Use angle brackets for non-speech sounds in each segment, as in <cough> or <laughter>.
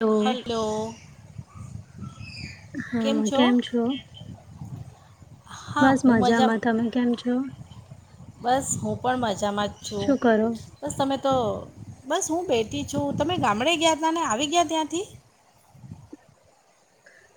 લો hello હા કેમ છો? હા બસ હું મજા મજામાં. તમે કેમ છો? બસ હું પણ મજામાં જ છું. શું કરો બસ તમે તો બસ હું બેઠી છું. તમે ગામડે ગયા તા ને આવી ગયા ત્યાંથી?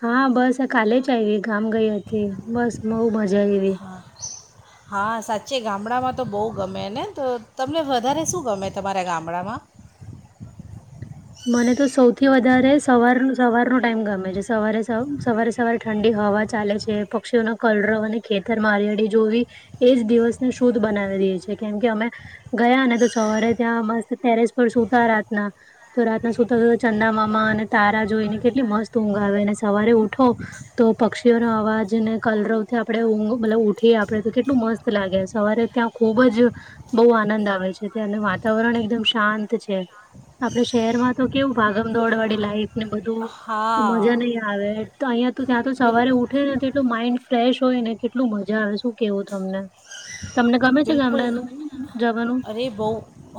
હા બસ આ કાલે જ આયવી. ગામ ગઈ હતી. બસ બહુ મજા આયવી. હા હા સાચે ગામડામાં તો બહુ ગમે ને. તો તમને વધારે શું ગમે તમારા ગામડામાં? મને તો સૌથી વધારે સવાર સવારનો ટાઈમ ગમે છે. સવારે સવારે સવારે ઠંડી હવા ચાલે છે, પક્ષીઓનો કલરવ અને ખેતરમાં હરિયાડી જોવી. એજ દિવસને શુદ્ધ બનાવી દે છે. કેમ કે અમે ગયા ને તો સવારે ત્યાં મસ્ત ટેરેસ પર સૂતા રાતના. તો રાતના સુતા સુતા ચંદામામા અને તારા જોઈને કેટલી મસ્ત ઊંઘ આવે અને સવારે ઉઠો તો પક્ષીઓનો અવાજને કલરવથી આપણે ઊંઘ મતલબ ઉઠીએ આપડે તો કેટલું મસ્ત લાગે સવારે. ત્યાં ખુબ જ બહુ આનંદ આવે છે. ત્યાંના વાતાવરણ એકદમ શાંત છે. આપણે શહેરમાં તો કેવું ભાગમદોડ વાડી લાઈફને બધું હા મજા નહી આ આવે તો અહિયાં તો ત્યાં તો બિલ સવારે ઉ ઊઠીએ ને તો એટલું માઈન્ડ ફ્રેશ હોય ને કેટલું મજા આવે શું કેવું તમને? તમને ગમે છે બિલકુલ ગામડાનું જવાનું? અરે બહુ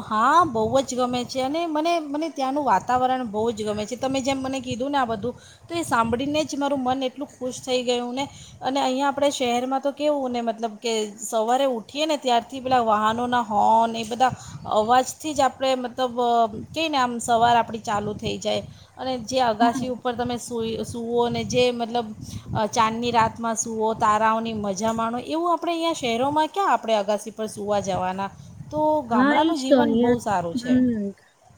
હા બહુ જ ગમે છે. અને મને મને ત્યાંનું વાતાવરણ બહુ જ ગમે છે. તમે જેમ મને કીધું ને આ બધું તો એ સાંભળીને જ મારું મન એટલું ખુશ થઈ ગયું ને. અને અહીયાં આપડે શહેરમાં તો કેવું ને મતલબ કે સવારે ઉ ઠીએ ને ત્યારથી પેલા વાહનોના હોર્ન એ બધા અવાજથી જ આપણે મતલબ કઈ ને આમ સવાર આપડી ચાલુ થઈ જાય. અને જે અગાસી હા ઉપર તમે સુઈ અ સ સૂવોને જે મતલબ અ ચાંદની રાતમાં સૂઓ તારાઓની મજા માણો એવું આ પડે અહીંયા શહેરોમાં ક્યાં આપડે અગાસી પર સૂવા જવાના. તો ગામડાનું જીવન બઉં સારું છે. હમ્મ.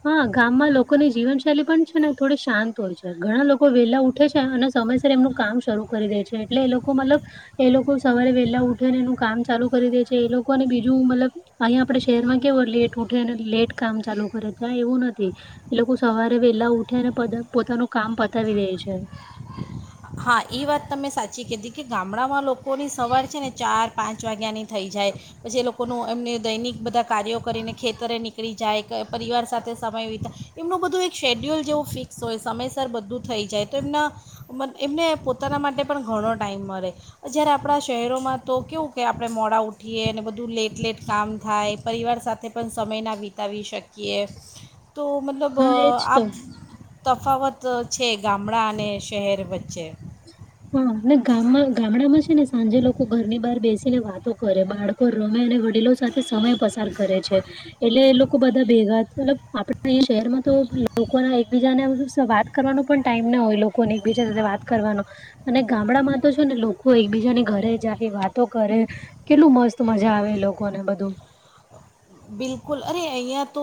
હા ગામમાં લોકોની જીવનશૈલી પણ છે ને થોડી શાંત હોય છે. ઘણા લોકો વેલા ઉઠે છે અને સમયસ સર એમનું કામ શરૂ કરી દે છે. એટલે એ લોકો મતલબ એ લોકો સવારે વેહેલા ઉઠે ને એનું કામ ચાલુ કરી દે છે. એ લોકોને બીજું મતલબ અહિયાં આપડે શહેરમાં કેવો લેટ ઉઠે અને લેટ કામ ચાલુ કરે ત્યાં એવું નથી. એ લોકો સવારે વેલા ઉઠે અને પદ પોતાનું કામ પતાવી દે છે. હા એ વાત તમે સાચી કીધી. કે ગામડામાં લોકોની સવાર છે ને ચાર પાંચ વાગ્યાની થઈ જાય. પછીએ લોકોનું એમને દૈનિક બધા કાર્યો કરીને ખેતરે નીકળી જાય, પરિવાર સાથે સમય વિતા એમનું બધું એક શેડ્યુલ જેવું ફિક્સ હોય સમયસર બધું થઈ જાય તો એમના મન એમને પોતાના માટે પણ ઘણો ટાઈમ મળે. જ્યારે આપડા શહેરોમાં તો કેવું કે, આપણે મોડા ઊઠીએ, અને બધું લેટ-લેટ કામ થાય, પરિવાર સાથે પણ સમય ના વિતાવી શકીએ. તો મતલબ હા, એજ આ તો. તફાવત છે, ગામડા અને શહેર વચ્ ચે <unintelligible> હા, ગામમાં ગામડામાં છે ને, સાંજે લોકો ઘરની બહાર બેસીને વાતો કરે, બાળકો રમે અને વડીલો સમય પસાર કરે છે, એટલે એ લોકો બધા ભેગા મલબ આપડે એ શહેરમાં તો લોકો ના એકબીજા ને વીસ વાત કરવાનો પણ ટાઈમ ના હોય, લોકોને એકબીજા સાથે વાત કરવાનો, અને ગામડા માં તો છે ને, લોકો એકબીજાને ઘરે જાય, વાતો કરે. કેટલું મસ્ત મજા આવે, લોકો ને બધું બિલકુલ, અરે અહીંયા તો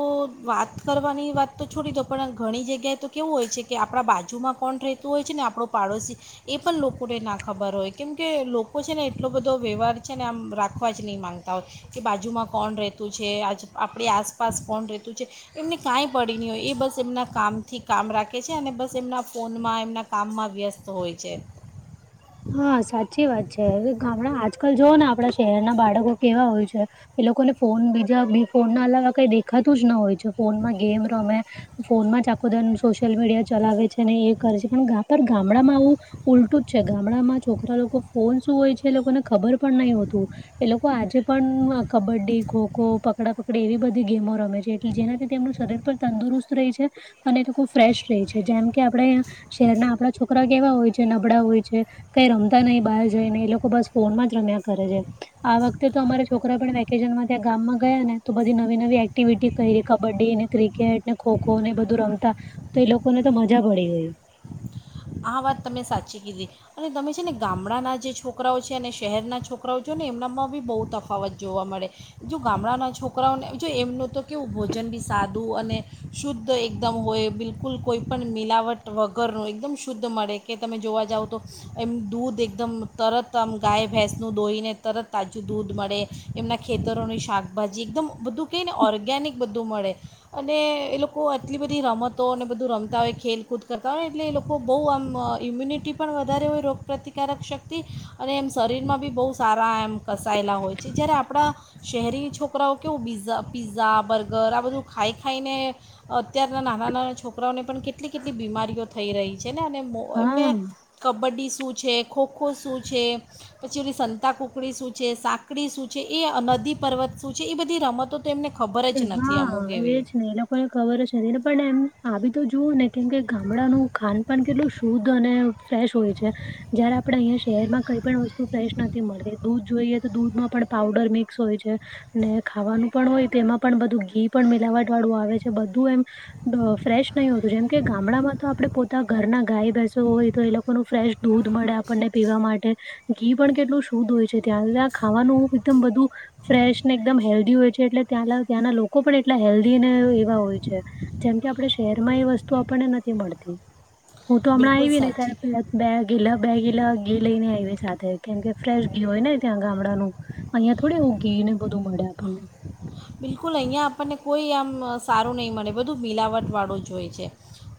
વાત કરવાની વાત તો છોડી દો, પણ આ ઘણી જગ્યાએ તો કેવું હોય છે કે, આપરા બાજુમાં કોણ રહેતું હોય છે ને, આપણો પાડોશી એ પણ લોકોને ના ખબર હોય કેમકે, લોકો છે ને, એટલો બધો વ્યવહાર છે ને, આમ રાખવા જ નહીં માગતા હોય. કે બાજુમાં કોણ રહેતું છે, આજ આપડી આસપાસ કોણ રેતું છે. એમને કાંઈ પડી નહીં હોય, એ બસ એમના કામથી કામ રાખે છે, અને બસ એમના ફોનમાં એમના કામમાં વ્યસ્ત હોય છે. હા, સાચી વાત છે, ગામડા આજકાલ જૂઓ ને, આપણા બાળકો કેવા હોય છે. એ લોકોને ફોન, બીજા ફોન ના અલાવા કઈ દેખાતું જ ન હોય છે, ફોનમાં ગેમ રમે. ફોનમાં જ આખોદાન સોશિયલ મીડિયા ચલાવે છે ને, એ કરે છે, પણ ઘાતર ગામડામાં આવું ઉલટું જ છે, ગામડામાં છોકરા લોકો ફોન શું હોય છે? એ લોકોને ખબર પણ નઈ હોતું? એ લોકો આજે પણ કબડ્ડી, ખોખો, પકડાપકડી એવી બધી ગેમો રમે છે, એટલે જેનાથી તેમનું શરીર તંદુરસ્ત રહી છે, અને ખૂબ ફ્રેશ રહી છે, જેમ કે આપણે શહેરના આપડા છોકરા કેવા હોય છે, નબળા હોય છે? કઈ રમતા નહી, બહાર જઈને એ લોકો બસ ફોનમાં જ રમ્યા કરે છે. આ વખતે તો અમારા છોકરા પણ વેકેશનમાં ત્યાં ગામમાં ને, તો બધી નવી નવી એક્ટિવિટી કઈ ર કબડ્ડી ને, ક્રિકેટ ને, ખોખો ને, એ બધું રમતા તો એ લોકો ને, તો મજા પડી ગઈ. આ વાત તમે સાચી કીધી. અને તમે છે ને, ગામડાના જે છોકરાઓ છે, અને શહેરના છોકરાઓ છો ને, એમનામાં બી બહુ તફાવત જોવા મળે. જો ગામડાના છોકરાઓને, જો એમનું તો કેવું ભોજન બી સાદું અને શુદ્ધ એકદમ હોય, બિલકુલ, કોઈ પણ મિલાવટ વગરનું એકદમ શુધ શુદ્ધ મળે કે, તમે જોવા જાવ તો એમ દૂધ એકદમ તરત આમ ગાય-ભેંસનું દોઈને તરત તાજું દૂધ મળે. એમના ખેતરોની શાકભાજી એકદમ બધું કેય ને, ઓર્ગેનિક બધું મળે. અને એ લોકો આટલી બધી રમતો, અને બધું રમતા હોય, ખેલકૂદ કરતા હોય, એટલે એ લોકો બહુ આમ ઇમ્યુનિટી પણ વધારે રોગપ્રતિકારક શક્તિ અને એમ શરીરમાં બી બહુ સારા એમ કસાયેલા હોય છે, જ્યારે આપણા શહેરી છોકરાઓ કેવું બીઝા પીઝા, બર્ગર આ બધું ખાઈ ખાઈને અત્યના નાના-નાના છોકરાઓને પણ કેટલી કેટલી બીમારી ઓ થઈ રહી છે ને, અને એમને હા. કબડ્ડી શું છે? ખોખો શું છે? પછી ઓલી સંતા કુકડી શું છે? સાકડી શું છે? એ નદી-પર્વત શું છે? એ બધી રમતો તો તેમને ખબર જ નથી, અમુક એવી કો ખબર જ નથીને, પણ એમ આવી તો જોવ ને, કેમ કે ગામડાનું ખાનપ કેટલું શુદ્ધ અને ફ્રેશ હોય છે. જયારે આપણે અહીયાં શહેરમાં કઈ પણ વસ્તુ ફ્રેશ નથી મળતી, દૂધ જોઈએ તો દૂધમાં પણ પાવડર મિક્સ હોય છે. ને ખાવાનું પણ હોય તો, એમાં પણ બધું ઘી પણ મિલાવટ વાળું આવે છે, બધું એમ. ફ્રેશ નહીં હોતું જેમ કે ગામડામાં તો આપડે પોતા ઘરના ગાય ભેંસ હોય તો એ લોકોનું ફ્રેશ દૂધ મળે આપણને પીવા માટે ઘી પણ કેટલું શુદ્ધ હોય છે ત્યાં ત્યાં ખાવાનું એકદમ બધું ફ્રેશ ને એકદમ હેલ્ધી હોય છે એટલે ત્યાં ત્યાંના લોકો પણ એટલા હેલ્ધી ને એવા હોય છે. જેમ કે આપણે શહેર માં એ વસ્તુ આપણને નથી મળતી. હું તો હમણાં બિલકુલ આવી ને સાચી ત્યારે બે કીલા બે કીલા ઘી લઈને આવી સાથે કેમ કે ફ્રેશ ઘી હોય ને ત્યાં ગામડાનું અહિયાં થોડી એવું ઘીને બધું મળે આપણને. બિલકુલ અહીંયા આપણને કોઈ આમ સારું નહીં મળે બધું મિલાવટવાળું જોય છે.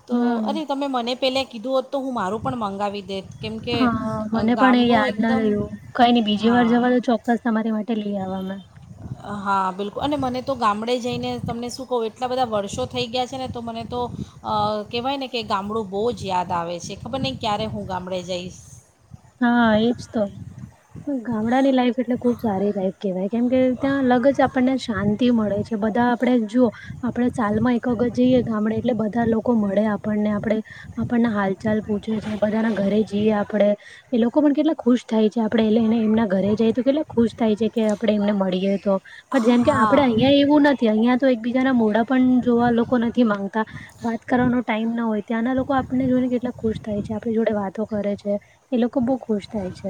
તો અરે હમ તમે મને પહેલાં કીધું હોત તો હું મારું પણ મંગાવી દે ત. હા મને પણ એ યાદ ના રહ્યું કઈ નઈ બીજી વાર હા જવા તો ચો ક્સ તમારી માટે લઈ આવવામાં મેં. હા બિલકુલ અને મને તો ગામડે જઈને તમને શું કહું એટલા બધા વર્ષો થઈ ગયા છે ને તો મને તો અ કહેવાય ને કે ગામડું બહુ જ યાદ આવે છે, ખબર નહીં ક્યારે હું ગામડે જઈશ. હા એજ તો ગામડા ની લાઈફ એટલે ખુબ સારી લાઈફ કહેવાય કેમ કે ત્યાં લગ જ આપણને શાંતિ મળે છે બધા આપણે જુઓ આપણેે સાલમાં એક વખત જઈએ ગામડે એટલે બધા લોકો મળે આપણને આપણે આપણના હાલચાલ પૂછે છે બધાના ઘરે જઈએ આપડે એ લોકો પણ કેટલા ખુશ થાય છે આપડે એલેને એમના ઘરે જાય તો કેટલા ખુશ થાય છે કે આપડે એમને મળીએ તો પણ જેમ કે આપડે હા અહિયાં એવું નથી અહિયાં તો એક બીજાના મોડા પણ જોવા લોકો નથી માંગતા વાત કરવાનો ટાઈમ ના હોય ત્યાંના લોકો આપને જોઈને કેટલા ખુશ થાય છે આપણી જોડે વાતો કરે છે, એ લોકો બો ખુશ થાય છે.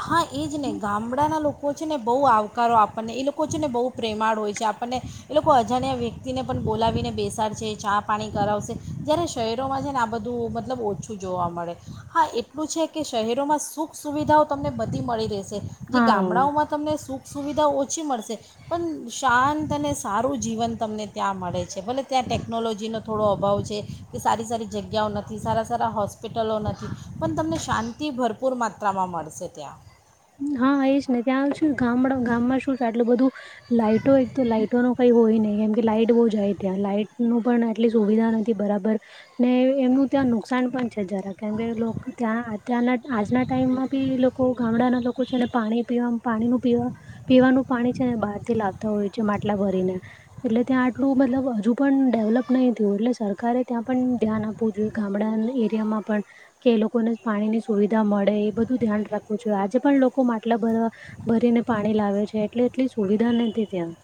હા એ જ ને ગામડાના લોકો છે ને બહુ આવકારો આપણને એ લોકો છે ને બહુ પ્રેમાળ હોય છે આપણને એ લોકો અજાણ્યા વ્યક્તિને પણ બોલાવીને બેસાડશે ચા પાણી કરાવશે જ્યારે શહેરોમાં છે ને આ બધું મતલબ ઓછું જોવા મળે. હા એટલું છે કે શહેરોમાં સુખ સુવિધાઓ તમને બધી મળી રહેશે જે હા ગામડાઓમાં તમને સુખ સુવિધાઓ ઓછી મળશે. પણ શાંત અને સારું જીવન તમને ત્યાં મળે છે ભલે ત્યાં ટેકનોલોજીનો થોડો અભાવ છે કે સારી સારી જગ્યાઓ નથી સારા સારા હોસ્પિટલો નથી પણ તમને શાંતિ ભર પૂર માત્રામાં મળશે ત્યાં. હા એ જ ને ત્યાં શું ગામ ગામમાં શું છે આટલું બધું લાાઈટો એક તો લાાઈટો નો કઈ હોય નહી કેમ કે લાઈટ બહુ જાય ત્યાં લાઈટ ન પણ આટલી સુવિધા નથી બરાબર. ને એમનું ત્યાં નુકસાન પણ છે જરા કેમ કે ત્યાં આજકાલના આજના ટાઈમમાં બી લો લોકો ગામડાના લોકો છેડ પાણી પીવા પાણી ન પીવા પીવાનું પાણી છે ને બહાર થી લાવતા હોય માટલા ભરીને એટલે ત્યાં આટલું મતલબ હજુ પણ ડેવલપ નહી થયું એટલે સરકારે ત્યાં પણ ધ્યાન આપ પવું જોઇએ ગામડા ન એરિયામાં પણ. કે એ લોકોને પાણી ની સુવિધા મળે એ બધું ધ્યાન રાખવું જો આજે પણ લો કો માટલા ભર ભરીને પાણી લાવે છે એટલે એટલી સુવિધા નથી ત્યાં.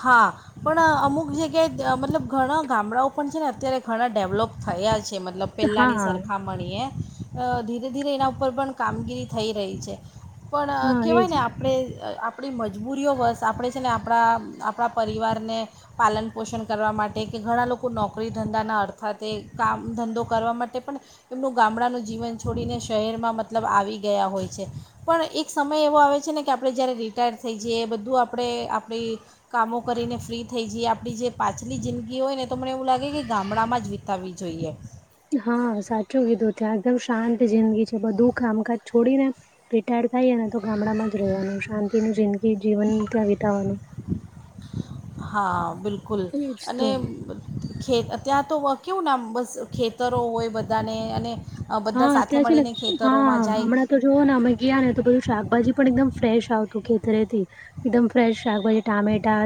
હા. પણ અમુક જગ્યાએ મતલબ ઘણા ગામડાઓ પણ છે ને અત્યારે ઘણા ડેવલોપ થયા છે મતલબ પહેલાંની હા સરખામણીએ ધીરે ધીરે એના ઉપર પણ કામગીરી થઈ રહી છે. પણ હા એજ. કહેવાય ને આપણે આપણી મજબૂરીઓ બસ આપણે છે ને આપણા આપણા પરિવારને પાલન પોષણ કરવા માટે કે ઘણા લોકો નોકરી ધંધાના અર્થાથે કામ ધંધો કરવા માટે પણ એમનું ગામડાનું જીવન છોડીને શહેરમાં મતલબ આવી ગયા હોય છે. પણ એક સમય એવો આવે છે ને કે, આપણે રિટાયર થઈ જઈએ, એ આપણે આપણી કામો કરીને ફ્રી થઈ જઈએ, આપણી જે પાછલી જિંદગી હોય ને, તો મને એવું લાગે કે ગામડામાં જ વિતાવવી જોઈએ. હા, સાચું કીધું, ત્યાં એકદમ શાંત જિંદગી છે, બધું કામકાજ છોડીને. રિટાયર્ડ થાય ને, તો ગામડામાં જ રહેવાનું શાંતિ ન જિંદગી જીવન ત્યાં વિતાવાનું. હા, બિલકુલ એજ અને તો ખેત તો કેવું નામ બસ ખેતરો બધાને અને હા બધા સાથે અત્યારે છે ને મળીને, હા ખેતરોમાં જાય. હમણાં તો જોઓ ને, અમે ગયા ને, તોધું શાકભાજી પણ એકદમ ફ્રેશ આવતું ખેતરે થી. એકદમ ફ્રેશ શાકભાજી ટામેટા,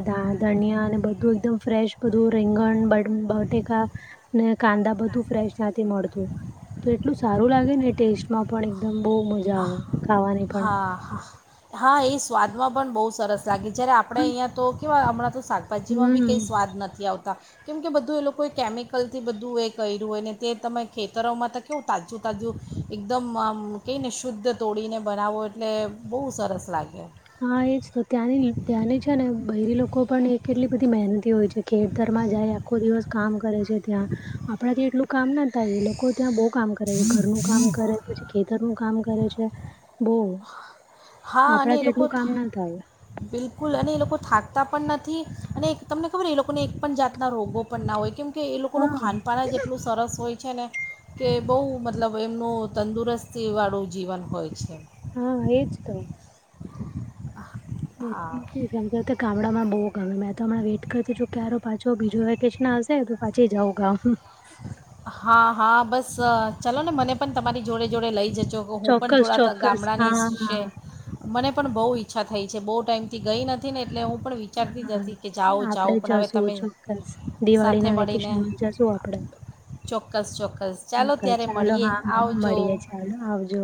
ધનિયા અને બધું એકદમ બધું રીંગણ-બટાકાને, કાંદા બધું ફ્રેશ ત્યાંથી મળતું. તો એટલું સારું લાગે ને, ટેસ્ટમાં પણ એકદમ બહુ મજા આવે. ખાવાની પણ હા, હા, હા, એ સ્વાદમાં પણ બહુ સરસ લાગે, જ્યારે આપણે અહીંયા તો કેવા હમણાં તો શાકભાજીમાં બી હમ કંઈ સ્વાદ નથી આવતા. કેમ કે, બધું એ લોકોએ કેમિકલથી બધું એ કર્યું હોય ને, તે તમે ખેતરોમાં તાજું-તાજું એકદમ કઈને શુદ્ધ તોડીને બનાવો, એટલે બહુ સરસ લાગે. એજ તો ત્યાંની ત્યાંની છે ને, બડલી લોકો પણ એ કેટલી બધી મહેનતી હોય છે જાય. આખો દિવસ કામ કરે છે, ત્યાં આપણાથી એટલું કામ ના થાય, એ લોકો લોકો ત્યાં બહુ કામ કરે છે, ઘરનું કામ કરે, પછી ખેતરનું કામ કરે છે બહુ. હા, અને એ આપણાથી લોકો એટલું કામ ના થાય. બિલકુલ અને એ લોકો થાકતા પણ નથી, અને તમને ખબર એ લોકોને એક પણ જાતના રોગો પણ ના હોય, કેમ કે એ લોકોનું હા ખાનપાન જ એટલું સરસ હોય છે ને. કે બહુ મતલબ એમનું તંદુરસ્તી વાળું જીવન હોય છે. હા, એજ તો. હા <unintelligible> ગામડામાં ગમે મેં તો હમણા વેઇ કરતી છુ, ક્યારે પાછો બીજો હશે તો. <unintelligible> હા, હા બસ, ચાલો ને મને પણ જોડે જોડે જજો કે, હું પણ ચોક્કસ થોડા ચોક્કસ ગામડાંની હા. હા છે. મને પણ બહુ ઈચ્છા થઈ છે, બહુ ટાઈમ થી ગઈ નથી. નથી ને, એટલે હું પણ વિચારતી જ હા. હતી કે, જાઉં આપડે જાઉં પણ હવે જશું તમે ચોક્કસ દિવાળી સાથે ના મળીને. વેકેશનમાં જશું આપડે. ચોક્કસ, ચોક્કસ, ચાલો ત્યારે મળીએ આવજો. હ, આવજો.